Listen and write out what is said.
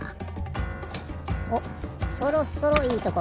おそろそろいいとこ。